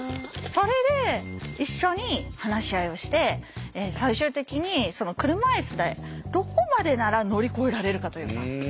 それで一緒に話し合いをして最終的に車いすでどこまでなら乗り越えられるかというか。